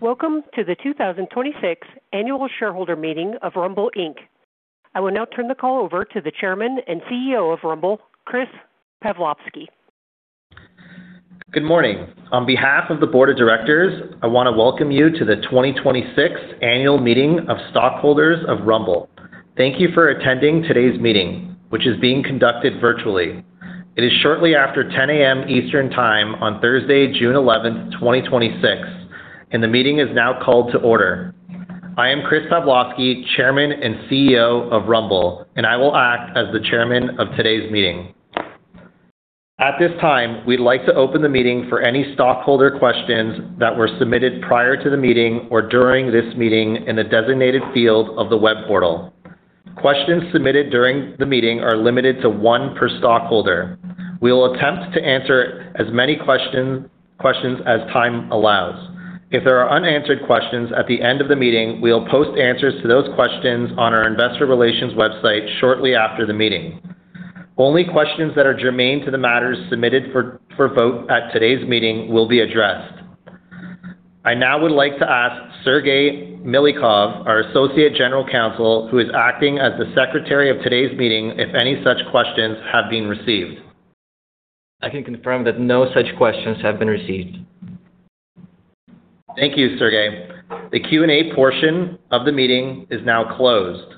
Welcome to the 2026 annual shareholder meeting of Rumble Inc. I will now turn the call over to the Chairman and CEO of Rumble, Chris Pavlovski. Good morning. On behalf of the board of directors, I want to welcome you to the 2026 annual meeting of stockholders of Rumble. Thank you for attending today's meeting, which is being conducted virtually. It is shortly after 10:00 A.M. Eastern Time on Thursday, June 11th, 2026. The meeting is now called to order. I am Chris Pavlovski, Chairman and CEO of Rumble. I will act as the Chairman of today's meeting. At this time, we'd like to open the meeting for any stockholder questions that were submitted prior to the meeting or during this meeting in the designated field of the web portal. Questions submitted during the meeting are limited to one per stockholder. We will attempt to answer as many questions as time allows. If there are unanswered questions at the end of the meeting, we'll post answers to those questions on our investor relations website shortly after the meeting. Only questions that are germane to the matters submitted for vote at today's meeting will be addressed. I now would like to ask Sergey Milyukov, our Associate General Counsel, who is acting as the Secretary of today's meeting, if any such questions have been received. I can confirm that no such questions have been received. Thank you, Sergey. The Q&A portion of the meeting is now closed.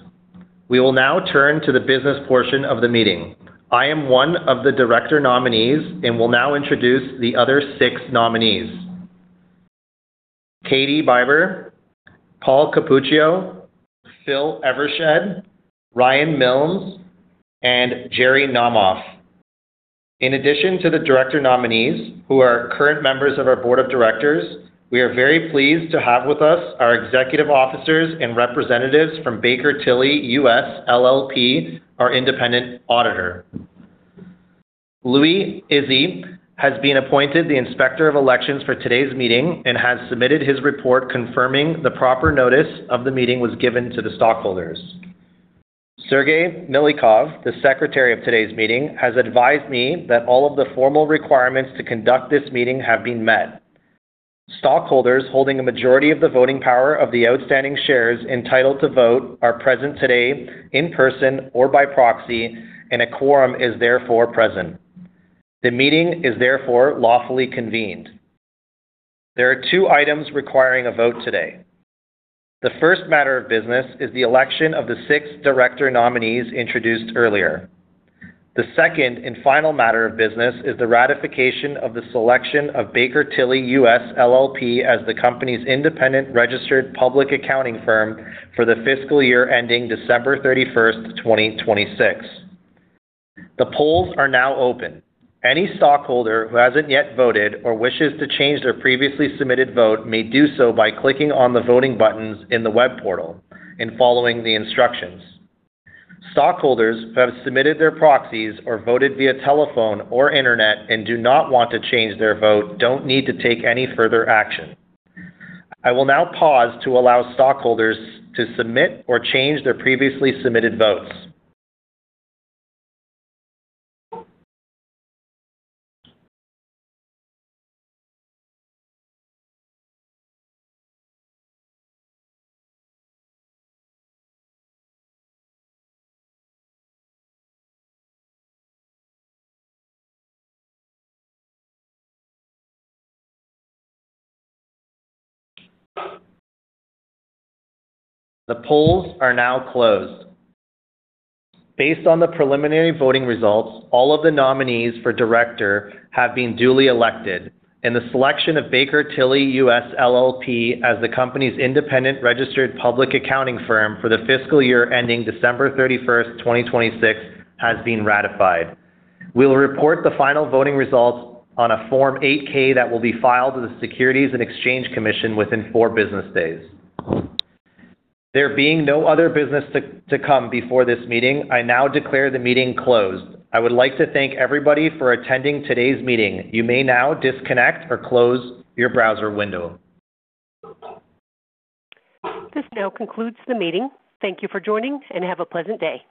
We will now turn to the business portion of the meeting. I am one of the director nominees and will now introduce the other six nominees. Katie Biber, Paul Cappuccio, Philip Evershed, Ryan Milnes, and Jerry Naumoff. In addition to the director nominees who are current members of our board of directors, we are very pleased to have with us our executive officers and representatives from Baker Tilly US, LLP, our independent auditor. Louis Izzi has been appointed the Inspector of Elections for today's meeting and has submitted his report confirming the proper notice of the meeting was given to the stockholders. Sergey Milyukov, the Secretary of today's meeting, has advised me that all of the formal requirements to conduct this meeting have been met. Stockholders holding a majority of the voting power of the outstanding shares entitled to vote are present today in person or by proxy. A quorum is therefore present. The meeting is therefore lawfully convened. There are two items requiring a vote today. The first matter of business is the election of the six director nominees introduced earlier. The second and final matter of business is the ratification of the selection of Baker Tilly US, LLP as the company's independent registered public accounting firm for the fiscal year ending December 31st, 2026. The polls are now open. Any stockholder who hasn't yet voted or wishes to change their previously submitted vote may do so by clicking on the voting buttons in the web portal and following the instructions. Stockholders who have submitted their proxies or voted via telephone or internet and do not want to change their vote, don't need to take any further action. I will now pause to allow stockholders to submit or change their previously submitted votes. The polls are now closed. Based on the preliminary voting results, all of the nominees for director have been duly elected, and the selection of Baker Tilly US, LLP as the company's independent registered public accounting firm for the fiscal year ending December 31st, 2026, has been ratified. We will report the final voting results on a Form 8-K that will be filed to the Securities and Exchange Commission within four business days. There being no other business to come before this meeting, I now declare the meeting closed. I would like to thank everybody for attending today's meeting. You may now disconnect or close your browser window. This now concludes the meeting. Thank you for joining. Have a pleasant day.